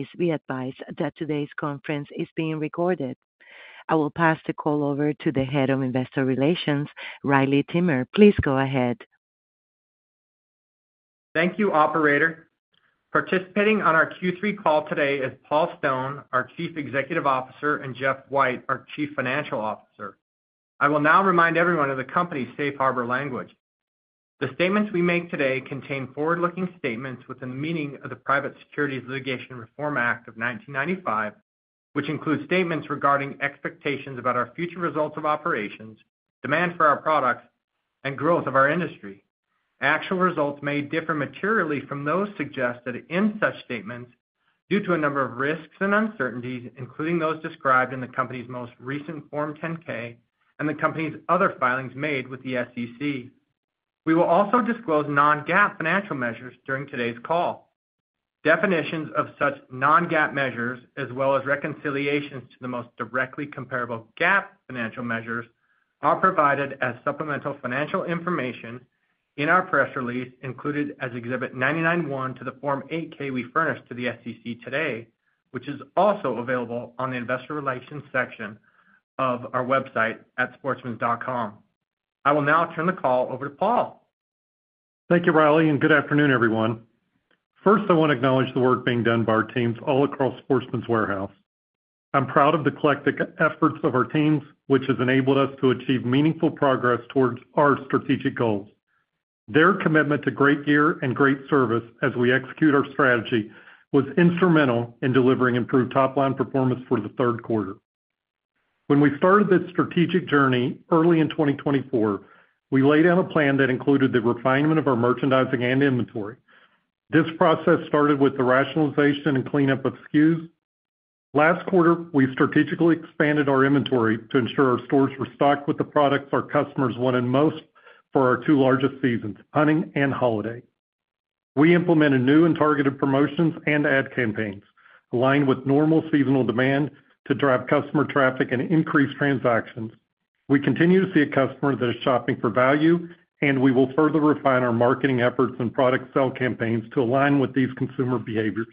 Please be advised that today's conference is being recorded. I will pass the call over to the Head of Investor Relations, Riley Timmer. Please go ahead. Thank you, Operator. Participating on our Q3 call today is Paul Stone, our Chief Executive Officer, and Jeff White, our Chief Financial Officer. I will now remind everyone of the company's safe harbor language. The statements we make today contain forward-looking statements within the meaning of the Private Securities Litigation Reform Act of 1995, which includes statements regarding expectations about our future results of operations, demand for our products, and growth of our industry. Actual results may differ materially from those suggested in such statements due to a number of risks and uncertainties, including those described in the company's most recent Form 10-K and the company's other filings made with the SEC. We will also disclose non-GAAP financial measures during today's call. Definitions of such Non-GAAP measures, as well as reconciliations to the most directly comparable GAAP financial measures, are provided as supplemental financial information in our press release included as Exhibit 99.1 to the Form 8-K we furnished to the SEC today, which is also available on the Investor Relations section of our website at sportsmans.com. I will now turn the call over to Paul. Thank you, Riley, and good afternoon, everyone. First, I want to acknowledge the work being done by our teams all across Sportsman's Warehouse. I'm proud of the collective efforts of our teams, which has enabled us to achieve meaningful progress towards our strategic goals. Their commitment to great gear and great service as we execute our strategy was instrumental in delivering improved top-line performance for the third quarter. When we started this strategic journey early in 2024, we laid out a plan that included the refinement of our merchandising and inventory. This process started with the rationalization and cleanup of SKUs. Last quarter, we strategically expanded our inventory to ensure our stores were stocked with the products our customers wanted most for our two largest seasons, hunting and holiday. We implemented new and targeted promotions and ad campaigns aligned with normal seasonal demand to drive customer traffic and increase transactions. We continue to see a customer that is shopping for value, and we will further refine our marketing efforts and product sale campaigns to align with these consumer behaviors.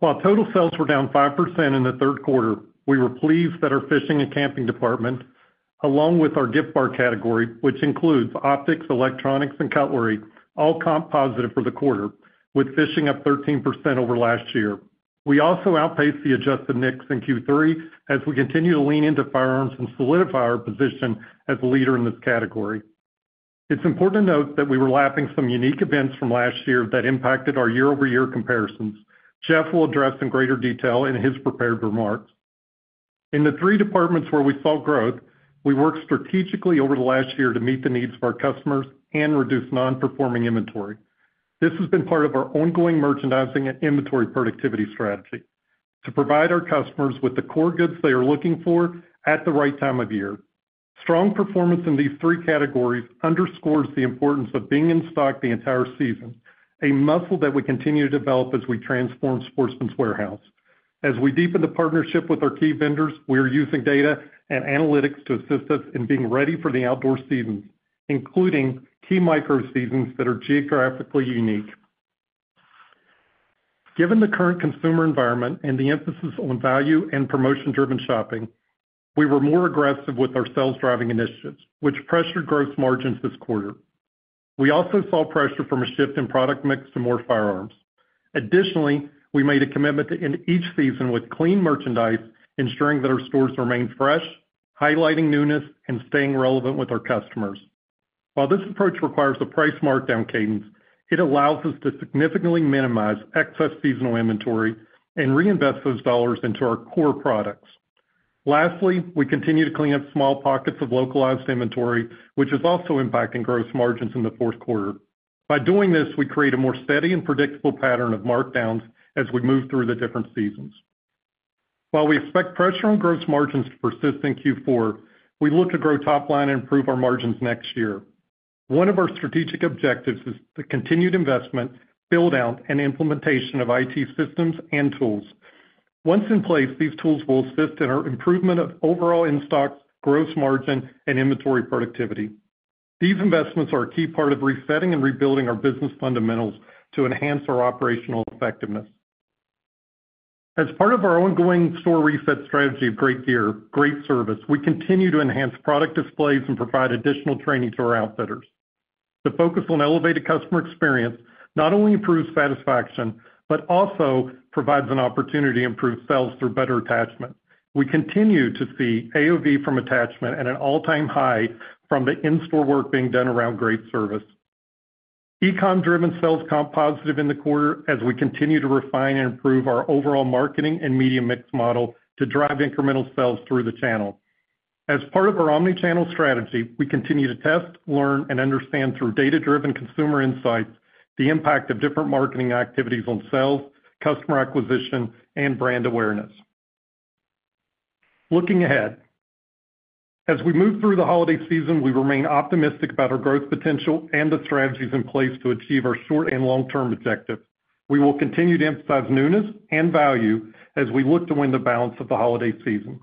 While total sales were down 5% in the third quarter, we were pleased that our fishing and camping department, along with our Gift Bar category, which includes optics, electronics, and cutlery, all comp positive for the quarter, with fishing up 13% over last year. We also outpaced the Adjusted NICS in Q3 as we continue to lean into firearms and solidify our position as a leader in this category. It's important to note that we were lapping some unique events from last year that impacted our year-over-year comparisons. Jeff will address in greater detail in his prepared remarks. In the three departments where we saw growth, we worked strategically over the last year to meet the needs of our customers and reduce non-performing inventory. This has been part of our ongoing merchandising and inventory productivity strategy to provide our customers with the core goods they are looking for at the right time of year. Strong performance in these three categories underscores the importance of being in stock the entire season, a muscle that we continue to develop as we transform Sportsman's Warehouse. As we deepen the partnership with our key vendors, we are using data and analytics to assist us in being ready for the outdoor seasons, including key micro seasons that are geographically unique. Given the current consumer environment and the emphasis on value and promotion-driven shopping, we were more aggressive with our sales-driving initiatives, which pressured gross margins this quarter. We also saw pressure from a shift in product mix to more firearms. Additionally, we made a commitment to end each season with clean merchandise, ensuring that our stores remain fresh, highlighting newness, and staying relevant with our customers. While this approach requires a price markdown cadence, it allows us to significantly minimize excess seasonal inventory and reinvest those dollars into our core products. Lastly, we continue to clean up small pockets of localized inventory, which is also impacting gross margins in the fourth quarter. By doing this, we create a more steady and predictable pattern of markdowns as we move through the different seasons. While we expect pressure on gross margins to persist in Q4, we look to grow top-line and improve our margins next year. One of our strategic objectives is the continued investment, build-out, and implementation of IT systems and tools. Once in place, these tools will assist in our improvement of overall in-stock gross margin and inventory productivity. These investments are a key part of resetting and rebuilding our business fundamentals to enhance our operational effectiveness. As part of our ongoing store reset strategy of Great Gear, Great Service, we continue to enhance product displays and provide additional training to our outfitters. The focus on elevated customer experience not only improves satisfaction but also provides an opportunity to improve sales through better attachment. We continue to see AOV from attachment at an all-time high from the in-store work being done around great service. E-com driven sales comp positive in the quarter as we continue to refine and improve our overall marketing and media mix model to drive incremental sales through the channel. As part of our omnichannel strategy, we continue to test, learn, and understand through data-driven consumer insights the impact of different marketing activities on sales, customer acquisition, and brand awareness. Looking ahead, as we move through the holiday season, we remain optimistic about our growth potential and the strategies in place to achieve our short and long-term objectives. We will continue to emphasize newness and value as we look to win the balance of the holiday season.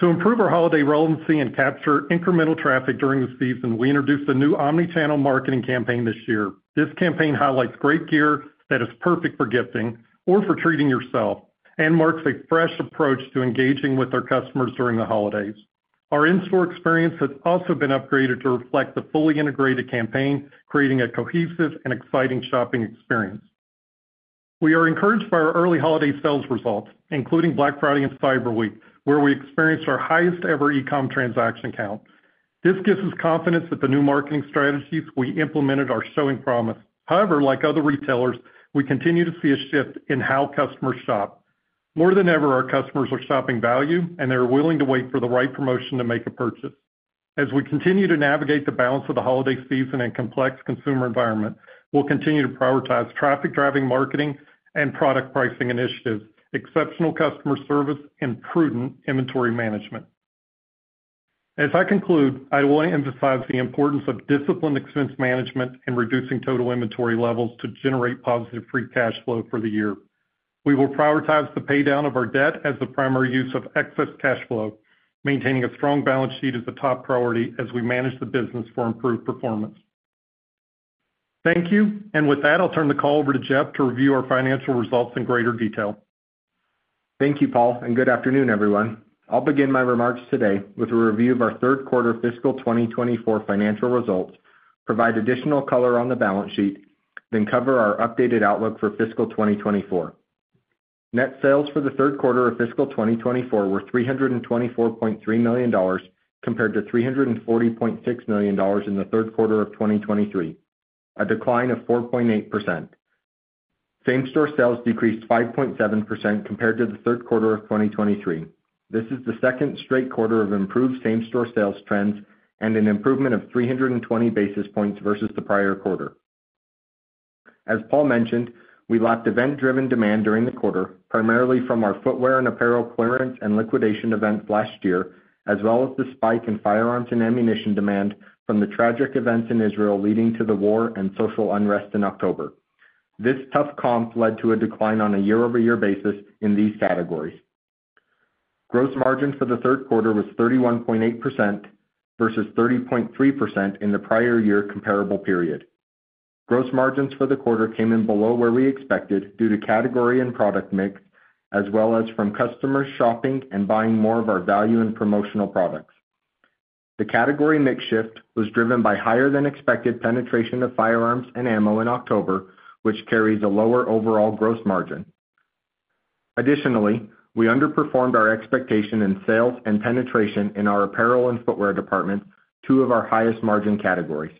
To improve our holiday relevancy and capture incremental traffic during the season, we introduced a new omnichannel marketing campaign this year. This campaign highlights great gear that is perfect for gifting or for treating yourself and marks a fresh approach to engaging with our customers during the holidays. Our in-store experience has also been upgraded to reflect the fully integrated campaign, creating a cohesive and exciting shopping experience. We are encouraged by our early holiday sales results, including Black Friday and Cyber Week, where we experienced our highest-ever e-com transaction count. This gives us confidence that the new marketing strategies we implemented are showing promise. However, like other retailers, we continue to see a shift in how customers shop. More than ever, our customers are shopping value, and they are willing to wait for the right promotion to make a purchase. As we continue to navigate the balance of the holiday season and complex consumer environment, we'll continue to prioritize traffic-driving marketing and product pricing initiatives, exceptional customer service, and prudent inventory management. As I conclude, I want to emphasize the importance of disciplined expense management and reducing total inventory levels to generate positive free cash flow for the year. We will prioritize the paydown of our debt as the primary use of excess cash flow, maintaining a strong balance sheet as a top priority as we manage the business for improved performance. Thank you, and with that, I'll turn the call over to Jeff to review our financial results in greater detail. Thank you, Paul, and good afternoon, everyone. I'll begin my remarks today with a review of our third quarter fiscal 2024 financial results, provide additional color on the balance sheet, then cover our updated outlook for fiscal 2024. Net sales for the third quarter of fiscal 2024 were $324.3 million compared to $340.6 million in the third quarter of 2023, a decline of 4.8%. Same-store sales decreased 5.7% compared to the third quarter of 2023. This is the second straight quarter of improved same-store sales trends and an improvement of 320 basis points versus the prior quarter. As Paul mentioned, we lapped event-driven demand during the quarter, primarily from our footwear and apparel clearance and liquidation events last year, as well as the spike in firearms and ammunition demand from the tragic events in Israel leading to the war and social unrest in October. This tough comp led to a decline on a year-over-year basis in these categories. Gross margin for the third quarter was 31.8% versus 30.3% in the prior year comparable period. Gross margins for the quarter came in below where we expected due to category and product mix, as well as from customers shopping and buying more of our value and promotional products. The category mix shift was driven by higher-than-expected penetration of firearms and ammo in October, which carries a lower overall gross margin. Additionally, we underperformed our expectation in sales and penetration in our apparel and footwear departments, two of our highest margin categories.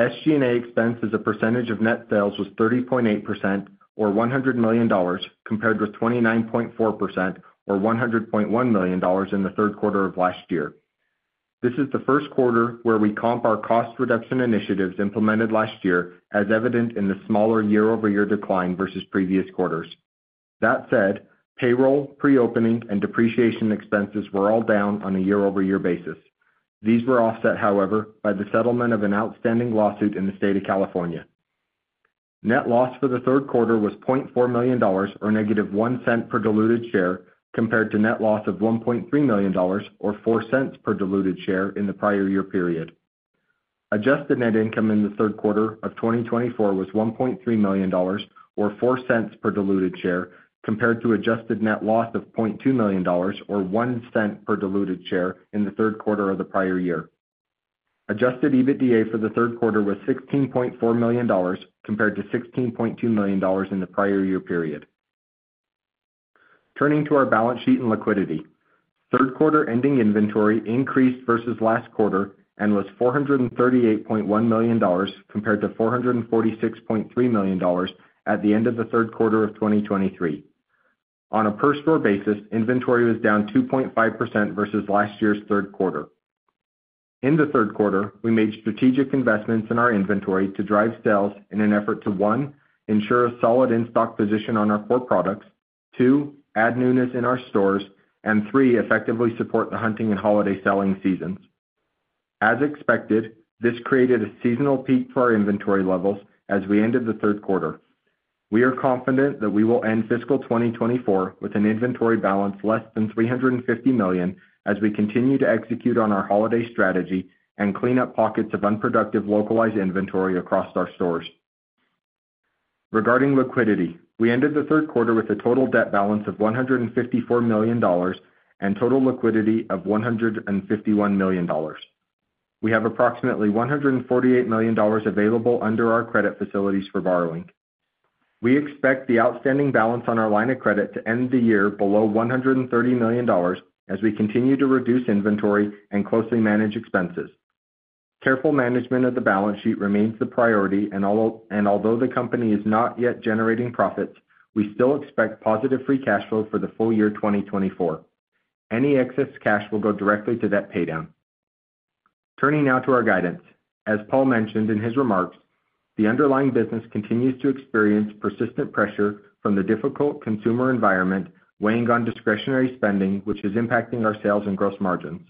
SG&A expense as a percentage of net sales was 30.8% or $100 million compared with 29.4% or $100.1 million in the third quarter of last year. This is the first quarter where we comp our cost reduction initiatives implemented last year, as evident in the smaller year-over-year decline versus previous quarters. That said, payroll, pre-opening, and depreciation expenses were all down on a year-over-year basis. These were offset, however, by the settlement of an outstanding lawsuit in the state of California. Net loss for the third quarter was $0.4 million or -0.01 per diluted share compared to net loss of $1.3 million or 0.04 per diluted share in the prior year period. Adjusted net income in the third quarter of 2024 was $1.3 million or 0.04 per diluted share compared to adjusted net loss of $0.2 million or 0.01 per diluted share in the third quarter of the prior year. Adjusted EBITDA for the third quarter was $16.4 million compared to $16.2 million in the prior year period. Turning to our balance sheet and liquidity, third quarter ending inventory increased versus last quarter and was $438.1 million compared to $446.3 million at the end of the third quarter of 2023. On a per-store basis, inventory was down 2.5% versus last year's third quarter. In the third quarter, we made strategic investments in our inventory to drive sales in an effort to, one, ensure a solid in-stock position on our core products, two, add newness in our stores, and three, effectively support the hunting and holiday selling seasons. As expected, this created a seasonal peak to our inventory levels as we ended the third quarter. We are confident that we will end fiscal 2024 with an inventory balance less than $350 million as we continue to execute on our holiday strategy and clean up pockets of unproductive localized inventory across our stores. Regarding liquidity, we ended the third quarter with a total debt balance of $154 million and total liquidity of $151 million. We have approximately $148 million available under our credit facilities for borrowing. We expect the outstanding balance on our line of credit to end the year below $130 million as we continue to reduce inventory and closely manage expenses. Careful management of the balance sheet remains the priority, and although the company is not yet generating profits, we still expect positive free cash flow for the full year 2024. Any excess cash will go directly to that paydown. Turning now to our guidance. As Paul mentioned in his remarks, the underlying business continues to experience persistent pressure from the difficult consumer environment weighing on discretionary spending, which is impacting our sales and gross margins.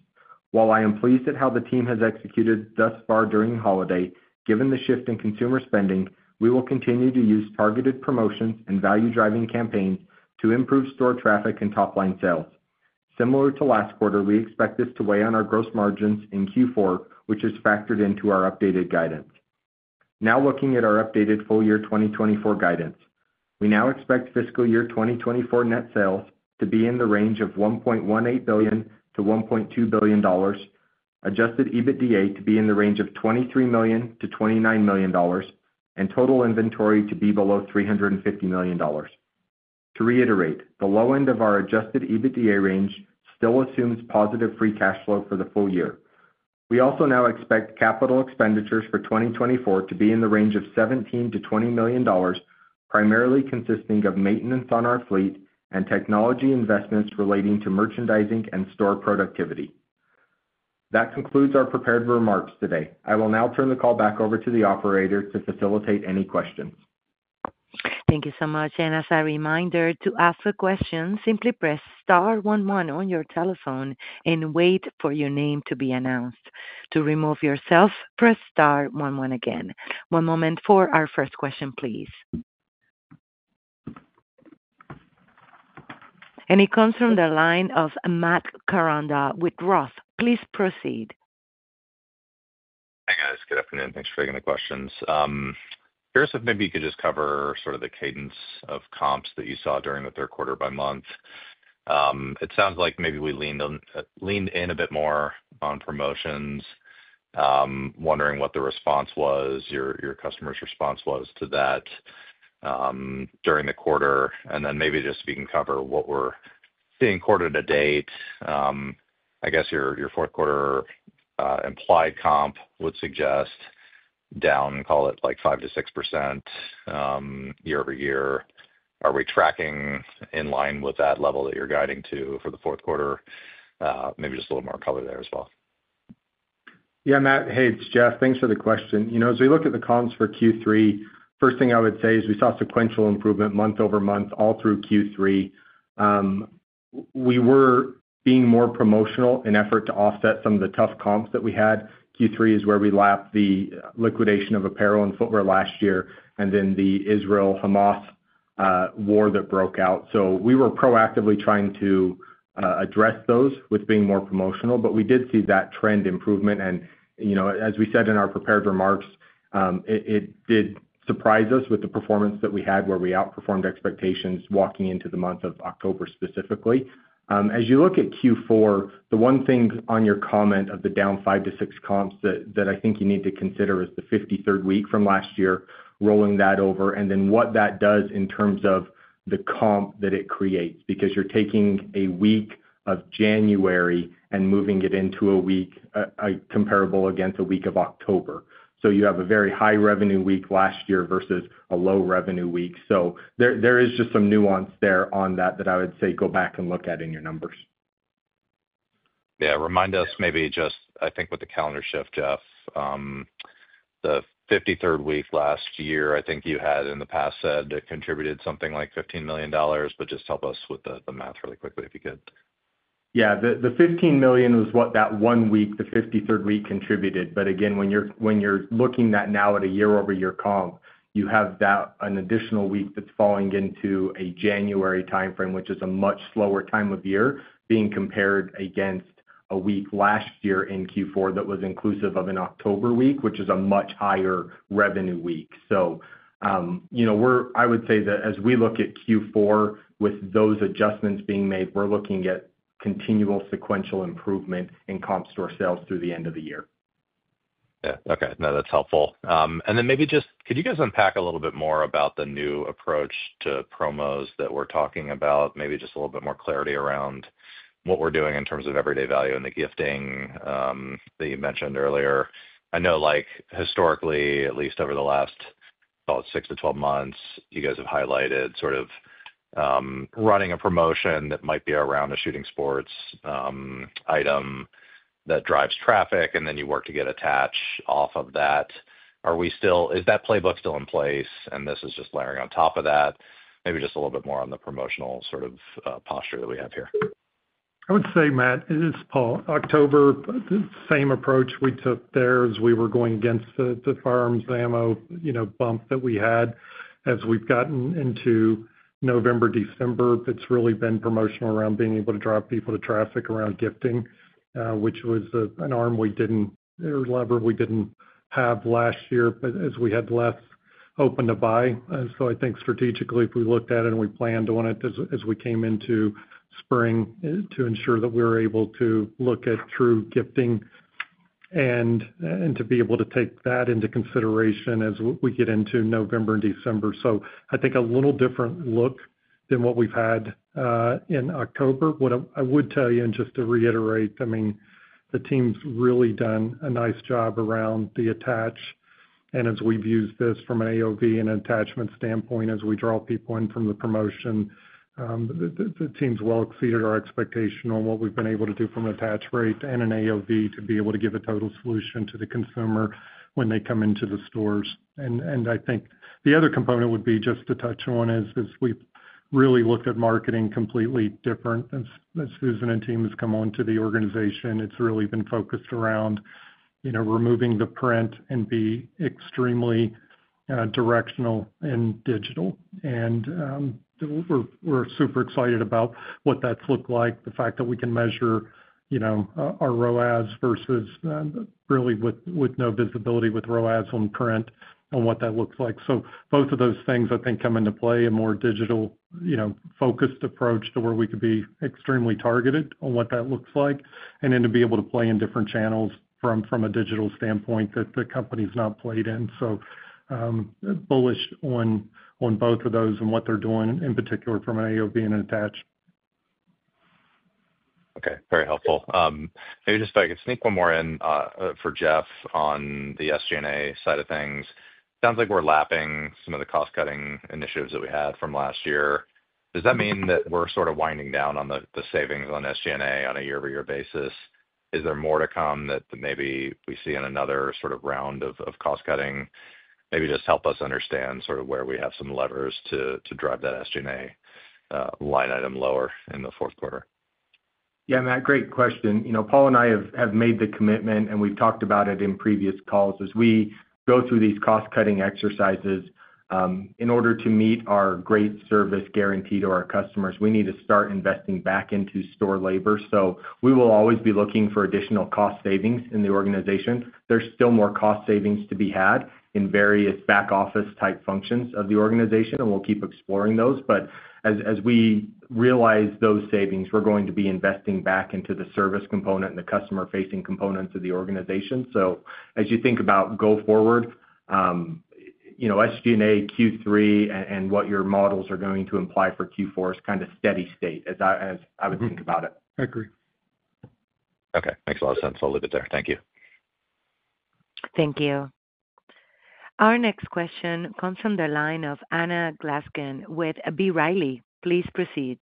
While I am pleased at how the team has executed thus far during the holiday, given the shift in consumer spending, we will continue to use targeted promotions and value-driving campaigns to improve store traffic and top-line sales. Similar to last quarter, we expect this to weigh on our gross margins in Q4, which is factored into our updated guidance. Now looking at our updated full year 2024 guidance, we now expect fiscal year 2024 net sales to be in the range of $1.18 billion-$1.2 billion. Adjusted EBITDA to be in the range of $23 million-$29 million, and total inventory to be below $350 million. To reiterate, the low end of our Adjusted EBITDA range still assumes positive free cash flow for the full year. We also now expect capital expenditures for 2024 to be in the range of $17 million-$20 million, primarily consisting of maintenance on our fleet and technology investments relating to merchandising and store productivity. That concludes our prepared remarks today. I will now turn the call back over to the operator to facilitate any questions. Thank you so much. And as a reminder, to ask a question, simply press star one one on your telephone and wait for your name to be announced. To remove yourself, press star one one again. One moment for our first question, please. And it comes from the line of Matt Koranda with Roth. Please proceed. Hey, guys. Good afternoon. Thanks for taking the questions. I'm curious if maybe you could just cover sort of the cadence of comps that you saw during the third quarter by month. It sounds like maybe we leaned in a bit more on promotions, wondering what the response was, your customer's response was to that during the quarter. And then maybe just if you can cover what we're seeing quarter to date. I guess your fourth quarter implied comp would suggest down, call it like 5%-6% year-over-year. Are we tracking in line with that level that you're guiding to for the fourth quarter? Maybe just a little more color there as well. Yeah, Matt. Hey, it's Jeff. Thanks for the question. As we look at the comps for Q3, first thing I would say is we saw sequential improvement month over month all through Q3. We were being more promotional in an effort to offset some of the tough comps that we had. Q3 is where we lapped the liquidation of apparel and footwear last year and then the Israel-Hamas war that broke out. So we were proactively trying to address those with being more promotional, but we did see that trend improvement. And as we said in our prepared remarks, it did surprise us with the performance that we had where we outperformed expectations walking into the month of October specifically. As you look at Q4, the one thing on your comment of the down five to six comps that I think you need to consider is the 53rd week from last year, rolling that over, and then what that does in terms of the comp that it creates because you're taking a week of January and moving it into a week comparable against a week of October. So you have a very high revenue week last year versus a low revenue week. So there is just some nuance there on that that I would say go back and look at in your numbers. Yeah. Remind us maybe just, I think with the calendar shift, Jeff, the 53rd week last year, I think you had in the past said that contributed something like $15 million, but just help us with the math really quickly if you could. Yeah. The $15 million was what that one week, the 53rd week contributed. But again, when you're looking at now at a year-over-year comp, you have that an additional week that's falling into a January timeframe, which is a much slower time of year being compared against a week last year in Q4 that was inclusive of an October week, which is a much higher revenue week. So I would say that as we look at Q4 with those adjustments being made, we're looking at continual sequential improvement in comp store sales through the end of the year. Yeah. Okay. No, that's helpful. And then maybe just could you guys unpack a little bit more about the new approach to promos that we're talking about, maybe just a little bit more clarity around what we're doing in terms of everyday value and the gifting that you mentioned earlier. I know historically, at least over the last, I'll say, 6-12 months, you guys have highlighted sort of running a promotion that might be around a shooting sports item that drives traffic, and then you work to get attached off of that. Is that playbook still in place? And this is just layering on top of that, maybe just a little bit more on the promotional sort of posture that we have here. I would say, Matt, it is Paul. October, the same approach we took there as we were going against the firearms ammo bump that we had. As we've gotten into November, December, it's really been promotional around being able to drive people to traffic around gifting, which was an arm we didn't or lever we didn't have last year, but as we had less open to buy, and so I think strategically, if we looked at it and we planned on it as we came into spring to ensure that we were able to look at true gifting and to be able to take that into consideration as we get into November and December, so I think a little different look than what we've had in October. What I would tell you, and just to reiterate, I mean, the team's really done a nice job around the attach. And as we've used this from an AOV and attachment standpoint, as we draw people in from the promotion, the team's well exceeded our expectation on what we've been able to do from attach rate and an AOV to be able to give a total solution to the consumer when they come into the stores. And I think the other component would be just to touch on is we've really looked at marketing completely different. As Susan and team have come on to the organization, it's really been focused around removing the print and being extremely directional and digital. And we're super excited about what that's looked like, the fact that we can measure our ROAS versus really with no visibility with ROAS on print and what that looks like. So, both of those things, I think, come into play, a more digital-focused approach to where we could be extremely targeted on what that looks like, and then to be able to play in different channels from a digital standpoint that the company's not played in. So, bullish on both of those and what they're doing in particular from an AOV and an attach. Okay. Very helpful. Maybe just if I could sneak one more in for Jeff on the SG&A side of things. It sounds like we're lapping some of the cost-cutting initiatives that we had from last year. Does that mean that we're sort of winding down on the savings on SG&A on a year-over-year basis? Is there more to come that maybe we see in another sort of round of cost-cutting? Maybe just help us understand sort of where we have some levers to drive that SG&A line item lower in the fourth quarter? Yeah, Matt, great question. Paul and I have made the commitment, and we've talked about it in previous calls. As we go through these cost-cutting exercises, in order to meet our great service guarantee to our customers, we need to start investing back into store labor. So we will always be looking for additional cost savings in the organization. There's still more cost savings to be had in various back-office-type functions of the organization, and we'll keep exploring those. But as we realize those savings, we're going to be investing back into the service component and the customer-facing components of the organization. So as you think about going forward, SG&A, Q3, and what your models are going to imply for Q4 is kind of steady state, as I would think about it. I agree. Okay. Makes a lot of sense. I'll leave it there. Thank you. Thank you. Our next question comes from the line of Anna Glaessgen with B. Riley. Please proceed.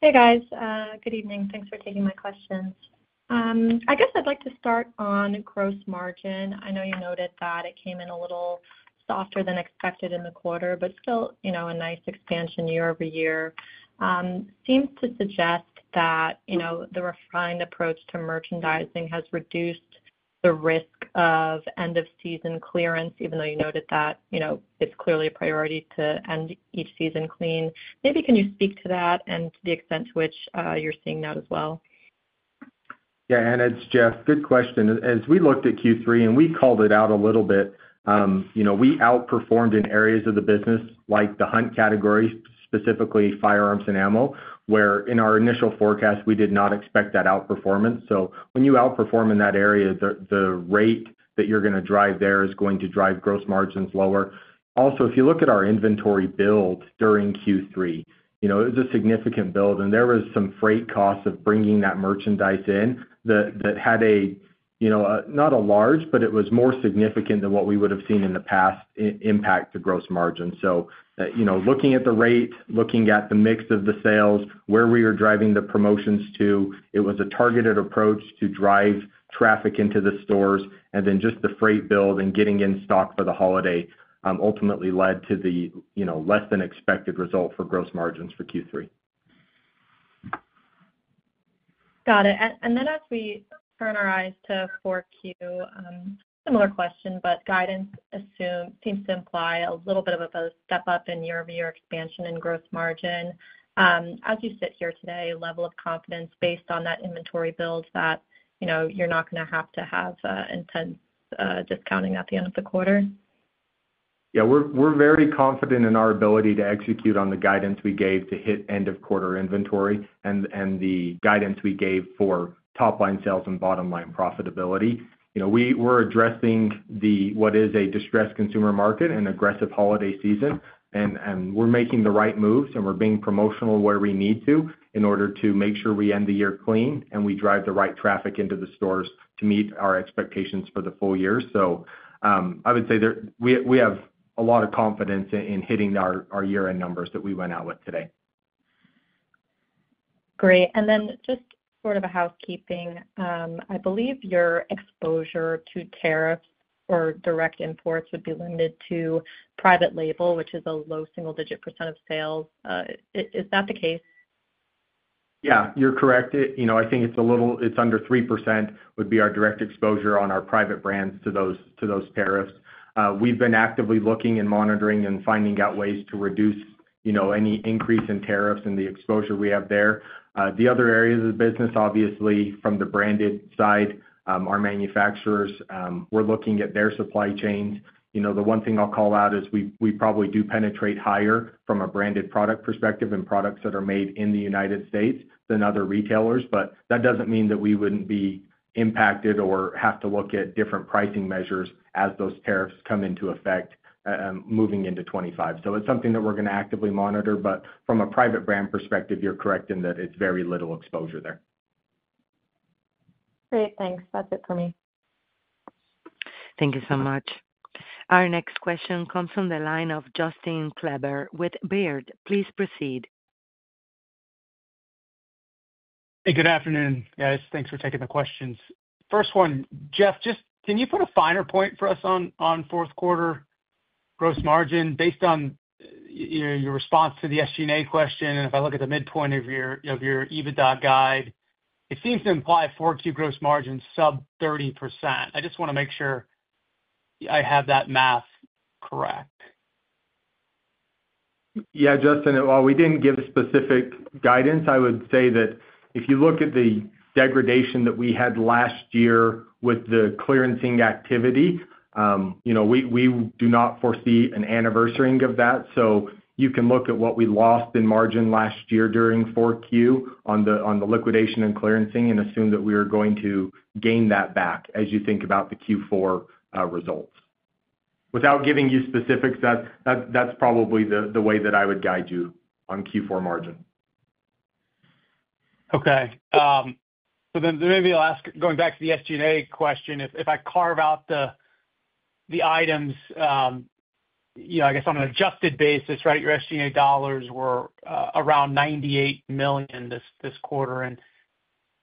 Hey, guys. Good evening. Thanks for taking my questions. I guess I'd like to start on gross margin. I know you noted that it came in a little softer than expected in the quarter, but still a nice expansion year-over-year. Seems to suggest that the refined approach to merchandising has reduced the risk of end-of-season clearance, even though you noted that it's clearly a priority to end each season clean. Maybe can you speak to that and to the extent to which you're seeing that as well? Yeah, and it's Jeff. Good question. As we looked at Q3, and we called it out a little bit, we outperformed in areas of the business like the hunt category, specifically firearms and ammo, where in our initial forecast, we did not expect that outperformance. So when you outperform in that area, the rate that you're going to drive there is going to drive gross margins lower. Also, if you look at our inventory build during Q3, it was a significant build, and there was some freight costs of bringing that merchandise in that had a not a large, but it was more significant than what we would have seen in the past impact the gross margin. Looking at the rate, looking at the mix of the sales, where we were driving the promotions to, it was a targeted approach to drive traffic into the stores, and then just the freight build and getting in stock for the holiday ultimately led to the less-than-expected result for gross margins for Q3. Got it. And then as we turn our eyes to 4Q, similar question, but guidance seems to imply a little bit of a step up in year-over-year expansion in gross margin. As you sit here today, level of confidence based on that inventory build that you're not going to have to have intense discounting at the end of the quarter? Yeah. We're very confident in our ability to execute on the guidance we gave to hit end-of-quarter inventory and the guidance we gave for top-line sales and bottom-line profitability. We're addressing what is a distressed consumer market and aggressive holiday season, and we're making the right moves, and we're being promotional where we need to in order to make sure we end the year clean and we drive the right traffic into the stores to meet our expectations for the full year. So I would say we have a lot of confidence in hitting our year-end numbers that we went out with today. Great. And then just sort of a housekeeping, I believe your exposure to tariffs or direct imports would be limited to private label, which is a low single-digit % of sales. Is that the case? Yeah. You're correct. I think it's under 3% would be our direct exposure on our private brands to those tariffs. We've been actively looking and monitoring and finding out ways to reduce any increase in tariffs and the exposure we have there. The other areas of the business, obviously, from the branded side, our manufacturers, we're looking at their supply chains. The one thing I'll call out is we probably do penetrate higher from a branded product perspective and products that are made in the United States than other retailers, but that doesn't mean that we wouldn't be impacted or have to look at different pricing measures as those tariffs come into effect moving into 2025. So it's something that we're going to actively monitor, but from a private brand perspective, you're correct in that it's very little exposure there. Great. Thanks. That's it for me. Thank you so much. Our next question comes from the line of Justin Kleber with Baird. Please proceed. Hey, good afternoon, guys. Thanks for taking the questions. First one, Jeff, just can you put a finer point for us on fourth quarter gross margin based on your response to the SG&A question? And if I look at the midpoint of your EBITDA guide, it seems to imply 4Q gross margin sub 30%. I just want to make sure I have that math correct. Yeah, Justin, while we didn't give specific guidance, I would say that if you look at the degradation that we had last year with the clearancing activity, we do not foresee an anniversary of that. So you can look at what we lost in margin last year during 4Q on the liquidation and clearancing and assume that we are going to gain that back as you think about the Q4 results. Without giving you specifics, that's probably the way that I would guide you on Q4 margin. Okay. So then maybe I'll ask, going back to the SG&A question, if I carve out the items, I guess on an adjusted basis, right, your SG&A dollars were around $98 million this quarter. And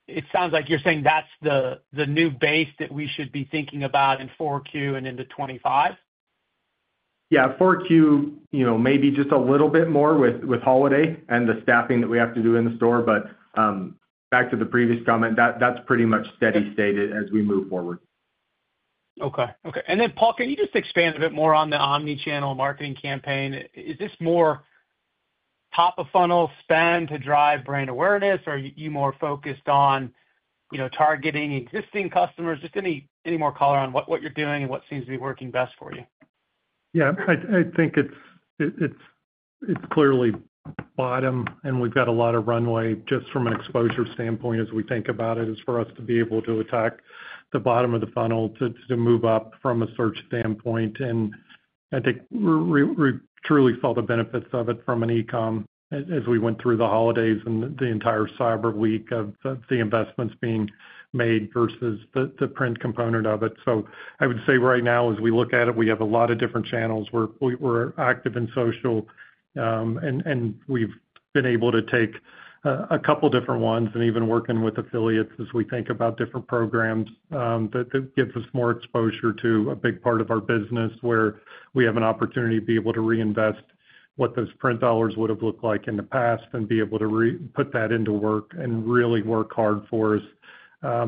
it sounds like you're saying that's the new base that we should be thinking about in 4Q and into 2025? Yeah. 4Q, maybe just a little bit more with holiday and the staffing that we have to do in the store. But back to the previous comment, that's pretty much steady-stated as we move forward. Okay. Okay. And then, Paul, can you just expand a bit more on the omnichannel marketing campaign? Is this more top-of-funnel spend to drive brand awareness, or are you more focused on targeting existing customers? Just any more color on what you're doing and what seems to be working best for you? Yeah. I think it's clearly bottom, and we've got a lot of runway just from an exposure standpoint as we think about it, is for us to be able to attack the bottom of the funnel to move up from a search standpoint. And I think we truly saw the benefits of it from an e-com as we went through the holidays and the entire cyber week of the investments being made versus the print component of it. So I would say right now, as we look at it, we have a lot of different channels. We're active in social, and we've been able to take a couple of different ones and even working with affiliates as we think about different programs that give us more exposure to a big part of our business where we have an opportunity to be able to reinvest what those print dollars would have looked like in the past and be able to put that into work and really work hard for us.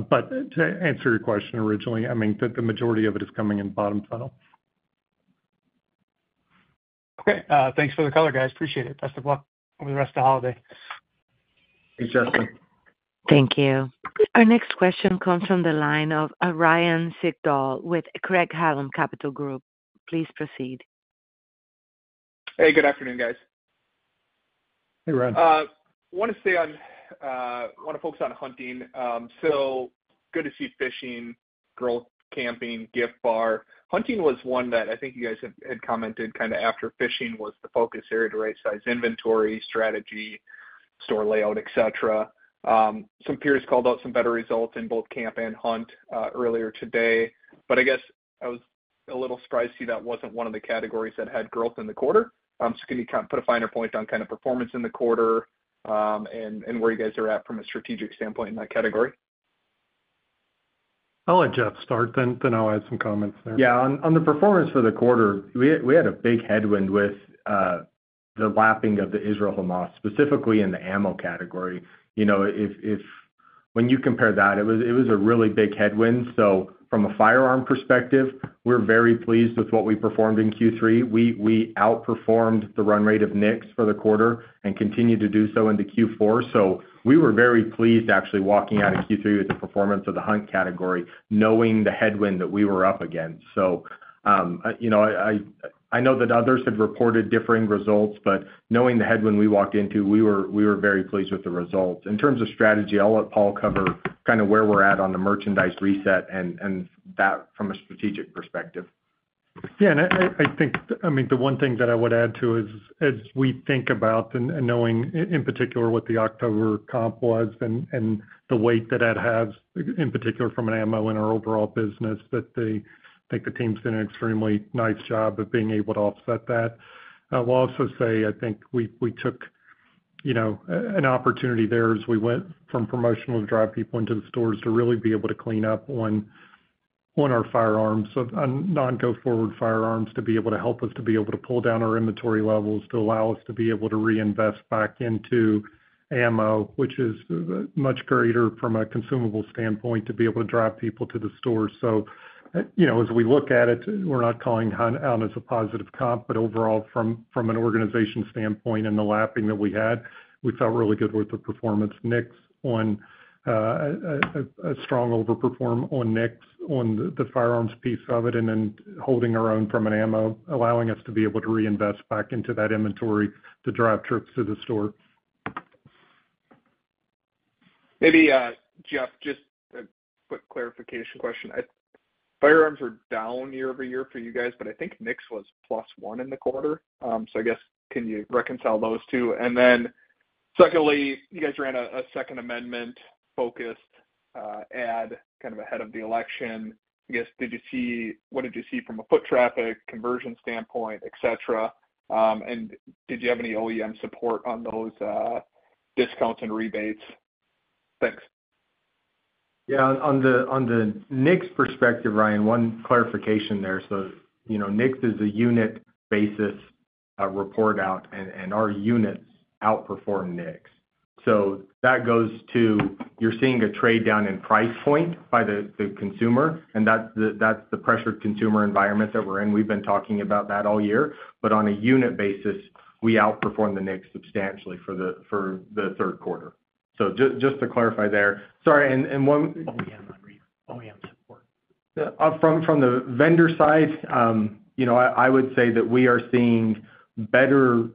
But to answer your question originally, I mean, the majority of it is coming in bottom funnel. Okay. Thanks for the color, guys. Appreciate it. Best of luck over the rest of the holiday. Thanks, Justin. Thank you. Our next question comes from the line of Ryan Sigdahl with Craig-Hallum Capital Group. Please proceed. Hey, good afternoon, guys. Hey, Ryan. I want to say I want to focus on hunting. So good to see fishing, apparel, camping, footwear. Hunting was one that I think you guys had commented kind of after fishing was the focus area to right-size inventory strategy, store layout, etc. Some peers called out some better results in both camp and hunt earlier today. But I guess I was a little surprised to see that wasn't one of the categories that had growth in the quarter. So can you kind of put a finer point on kind of performance in the quarter and where you guys are at from a strategic standpoint in that category? I'll let Jeff start, then I'll add some comments there. Yeah. On the performance for the quarter, we had a big headwind with the lapping of the Israel-Hamas, specifically in the ammo category. When you compare that, it was a really big headwind. So from a firearm perspective, we're very pleased with what we performed in Q3. We outperformed the run rate of NICS for the quarter and continued to do so into Q4. So we were very pleased actually walking out of Q3 with the performance of the hunt category, knowing the headwind that we were up against. So I know that others had reported differing results, but knowing the headwind we walked into, we were very pleased with the results. In terms of strategy, I'll let Paul cover kind of where we're at on the merchandise reset and that from a strategic perspective. Yeah. And I think, I mean, the one thing that I would add to is as we think about and knowing in particular what the October comp was and the weight that that has, in particular from an ammo and our overall business, that I think the team's done an extremely nice job of being able to offset that. I will also say I think we took an opportunity there as we went from promotional to drive people into the stores to really be able to clean up on our firearms, on non-go-forward firearms, to be able to help us to be able to pull down our inventory levels to allow us to be able to reinvest back into ammo, which is much greater from a consumable standpoint to be able to drive people to the stores. As we look at it, we're not calling hunting out as a positive comp, but overall, from an organization standpoint and the lapping that we had, we felt really good with the performance. NICS had a strong overperformance on NICS on the firearms piece of it and then holding our own from an ammo, allowing us to be able to reinvest back into that inventory to drive trips to the store. Maybe, Jeff, just a quick clarification question. Firearms are down year-over-year for you guys, but I think NICS was plus one in the quarter. So I guess can you reconcile those two? And then secondly, you guys ran a Second Amendment-focused ad kind of ahead of the election. I guess, what did you see from a foot traffic, conversion standpoint, etc.? And did you have any OEM support on those discounts and rebates? Thanks. Yeah. On the NICS perspective, Ryan, one clarification there. So NICS is a unit basis report out, and our units outperform NICS. So that goes to you're seeing a trade down in price point by the consumer, and that's the pressured consumer environment that we're in. We've been talking about that all year. But on a unit basis, we outperformed the NICS substantially for the third quarter. So just to clarify there. Sorry. And one. OEM support. From the vendor side, I would say that we are seeing better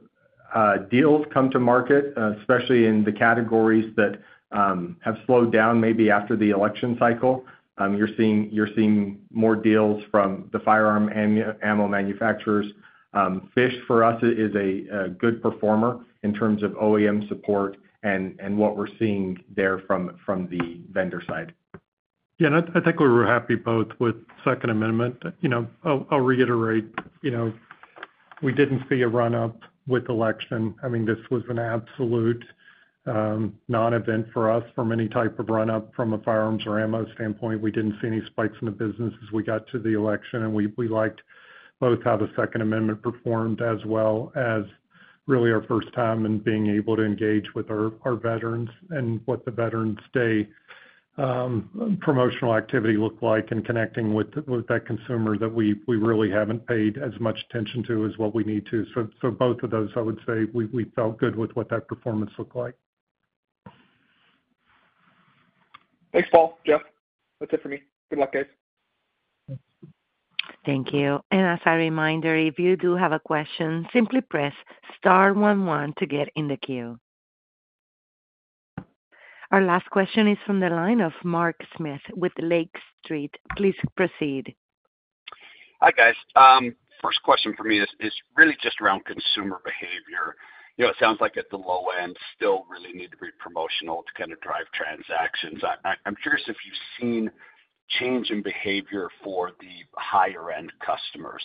deals come to market, especially in the categories that have slowed down maybe after the election cycle. You're seeing more deals from the firearm ammo manufacturers. Fish, for us, is a good performer in terms of OEM support and what we're seeing there from the vendor side. Yeah, and I think we were happy both with Second Amendment. I'll reiterate. We didn't see a run-up with the election. I mean, this was an absolute non-event for us from any type of run-up from a firearms or ammo standpoint. We didn't see any spikes in the business as we got to the election, and we liked both how the Second Amendment performed as well as really our first time in being able to engage with our veterans and what the Veterans Day promotional activity looked like and connecting with that consumer that we really haven't paid as much attention to as what we need to, so both of those, I would say we felt good with what that performance looked like. Thanks, Paul. Jeff, that's it for me. Good luck, guys. Thank you. And as a reminder, if you do have a question, simply press star one one to get in the queue. Our last question is from the line of Mark Smith with Lake Street. Please proceed. Hi, guys. First question for me is really just around consumer behavior. It sounds like at the low end, still really need to be promotional to kind of drive transactions. I'm curious if you've seen change in behavior for the higher-end customers.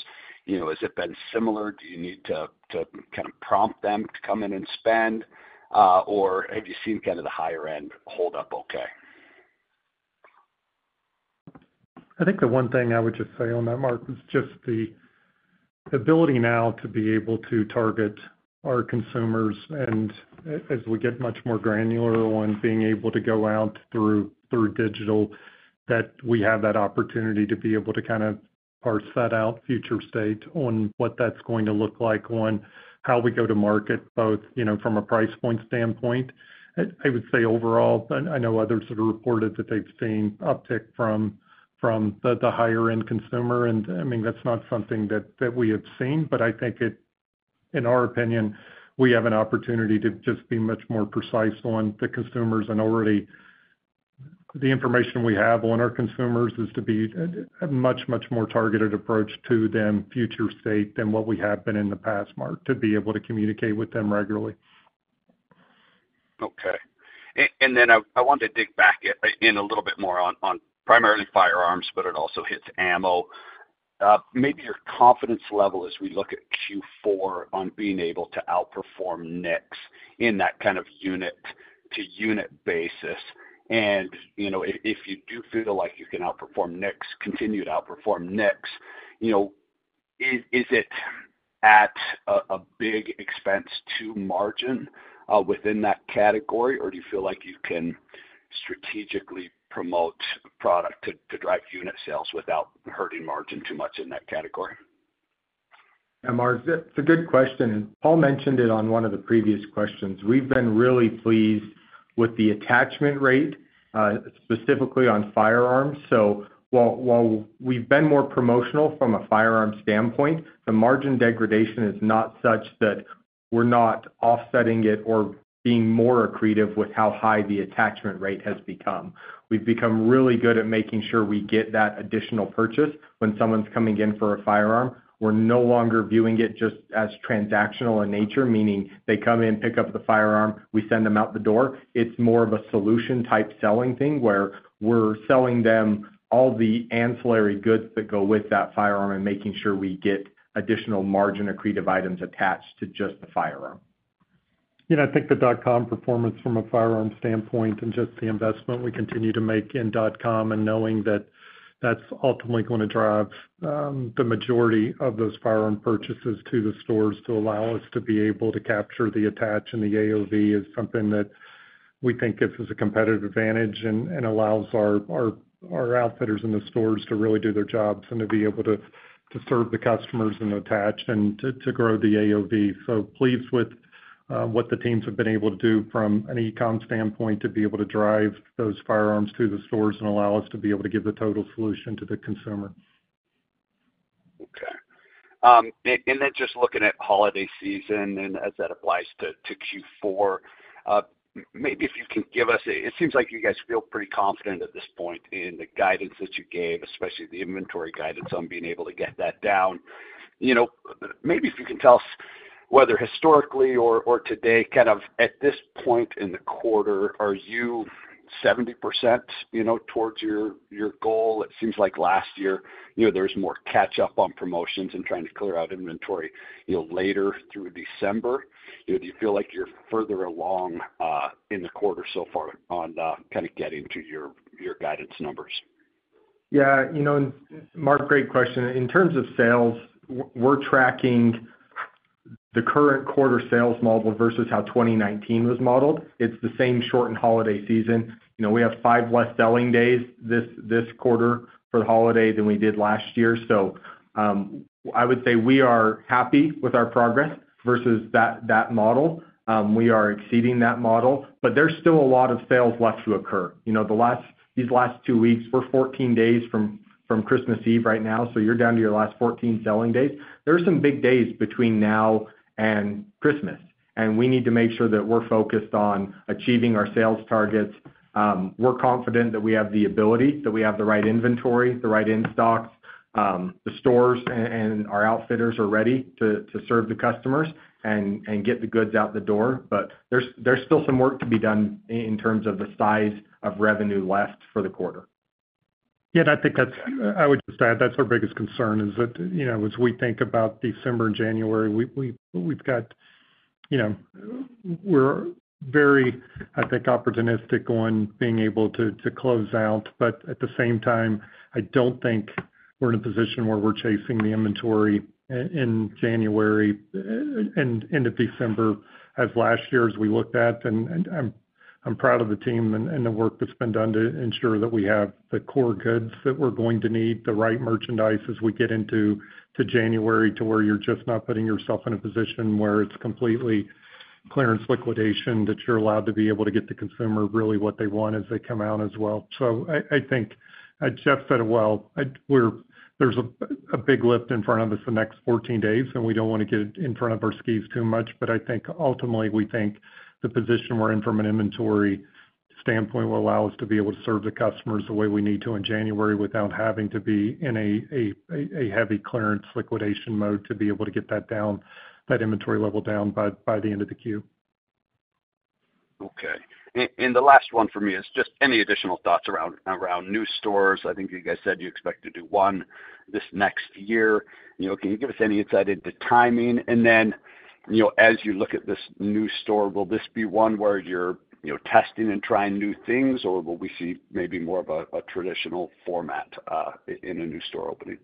Has it been similar? Do you need to kind of prompt them to come in and spend, or have you seen kind of the higher-end hold up okay? I think the one thing I would just say on that, Mark, is just the ability now to be able to target our consumers, and as we get much more granular on being able to go out through digital, that we have that opportunity to be able to kind of parse that out, future state on what that's going to look like on how we go to market, both from a price point standpoint. I would say overall, I know others that have reported that they've seen uptick from the higher-end consumer, and I mean, that's not something that we have seen, but I think in our opinion, we have an opportunity to just be much more precise on the consumers. Already, the information we have on our consumers is to be a much, much more targeted approach to them future state than what we have been in the past, Mark, to be able to communicate with them regularly. Okay. And then I want to dig back in a little bit more on primarily firearms, but it also hits ammo. Maybe your confidence level as we look at Q4 on being able to outperform NICS in that kind of unit-to-unit basis. And if you do feel like you can outperform NICS, continue to outperform NICS, is it at a big expense to margin within that category, or do you feel like you can strategically promote product to drive unit sales without hurting margin too much in that category? Yeah, Mark, that's a good question. Paul mentioned it on one of the previous questions. We've been really pleased with the attachment rate, specifically on firearms. So while we've been more promotional from a firearm standpoint, the margin degradation is not such that we're not offsetting it or being more accretive with how high the attachment rate has become. We've become really good at making sure we get that additional purchase when someone's coming in for a firearm. We're no longer viewing it just as transactional in nature, meaning they come in, pick up the firearm, we send them out the door. It's more of a solution-type selling thing where we're selling them all the ancillary goods that go with that firearm and making sure we get additional margin accretive items attached to just the firearm. Yeah. I think the dot-com performance from a firearm standpoint and just the investment we continue to make in dot-com and knowing that that's ultimately going to drive the majority of those firearm purchases to the stores to allow us to be able to capture the attach and the AOV is something that we think gives us a competitive advantage and allows our outfitters in the stores to really do their jobs and to be able to serve the customers and attach and to grow the AOV. So, pleased with what the teams have been able to do from an e-com standpoint to be able to drive those firearms to the stores and allow us to be able to give the total solution to the consumer. Okay. And then just looking at holiday season and as that applies to Q4, maybe if you can give us, it seems like you guys feel pretty confident at this point in the guidance that you gave, especially the inventory guidance on being able to get that down. Maybe if you can tell us whether historically or today, kind of at this point in the quarter, are you 70% towards your goal? It seems like last year there was more catch-up on promotions and trying to clear out inventory later through December. Do you feel like you're further along in the quarter so far on kind of getting to your guidance numbers? Yeah. Mark, great question. In terms of sales, we're tracking the current quarter sales model versus how 2019 was modeled. It's the same shortened holiday season. We have five less selling days this quarter for the holiday than we did last year. So I would say we are happy with our progress versus that model. We are exceeding that model, but there's still a lot of sales left to occur. These last two weeks, we're 14 days from Christmas Eve right now, so you're down to your last 14 selling days. There are some big days between now and Christmas, and we need to make sure that we're focused on achieving our sales targets. We're confident that we have the ability, that we have the right inventory, the right in-stocks, the stores, and our outfitters are ready to serve the customers and get the goods out the door. But there's still some work to be done in terms of the size of revenue left for the quarter. Yeah. I think I would just add that's our biggest concern is that as we think about December and January, we've got we're very, I think, opportunistic on being able to close out. But at the same time, I don't think we're in a position where we're chasing the inventory in January and into December as last year as we looked at. And I'm proud of the team and the work that's been done to ensure that we have the core goods that we're going to need, the right merchandise as we get into January to where you're just not putting yourself in a position where it's completely clearance liquidation that you're allowed to be able to get the consumer really what they want as they come out as well. So I think, as Jeff said it well, there's a big lift in front of us the next 14 days, and we don't want to get in front of our skis too much. But I think ultimately, we think the position we're in from an inventory standpoint will allow us to be able to serve the customers the way we need to in January without having to be in a heavy clearance liquidation mode to be able to get that inventory level down by the end of the Q. Okay. And the last one for me is just any additional thoughts around new stores. I think you guys said you expect to do one this next year. Can you give us any insight into timing? And then as you look at this new store, will this be one where you're testing and trying new things, or will we see maybe more of a traditional format in a new store opening?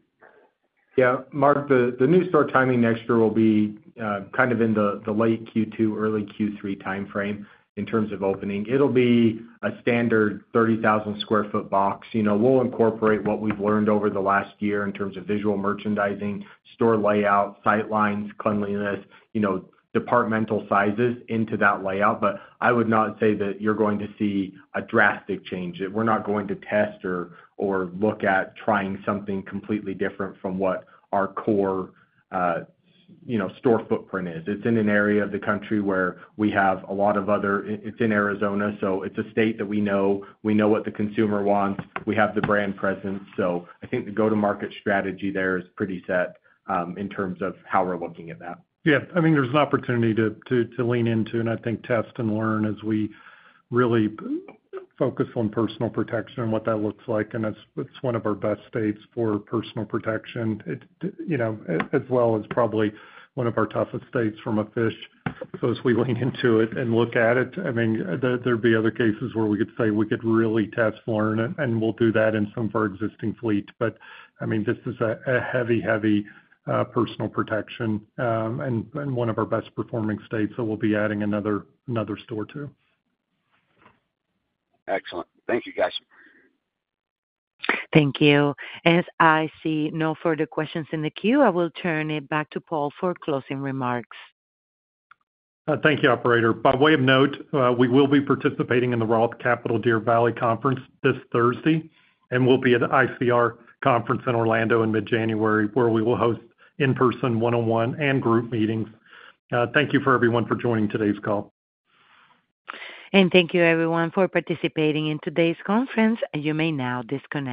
Yeah. Mark, the new store timing next year will be kind of in the late Q2, early Q3 timeframe in terms of opening. It'll be a standard 30,000 sq ft box. We'll incorporate what we've learned over the last year in terms of visual merchandising, store layout, sight lines, cleanliness, departmental sizes into that layout. But I would not say that you're going to see a drastic change. We're not going to test or look at trying something completely different from what our core store footprint is. It's in an area of the country where we have a lot of other. It's in Arizona, so it's a state that we know. We know what the consumer wants. We have the brand presence. So I think the go-to-market strategy there is pretty set in terms of how we're looking at that. Yeah. I mean, there's an opportunity to lean into and I think test and learn as we really focus on personal protection and what that looks like. And it's one of our best states for personal protection as well as probably one of our toughest states from a fishing. So as we lean into it and look at it, I mean, there'd be other cases where we could say we could really test, learn, and we'll do that in some of our existing fleet. But I mean, this is a heavy, heavy personal protection and one of our best-performing states that we'll be adding another store to. Excellent. Thank you, guys. Thank you. As I see no further questions in the queue, I will turn it back to Paul for closing remarks. Thank you, operator. By way of note, we will be participating in the Roth Capital Deer Valley Conference this Thursday and will be at the ICR Conference in Orlando in mid-January where we will host in-person one-on-one and group meetings. Thank you for everyone for joining today's call. Thank you, everyone, for participating in today's conference. You may now disconnect.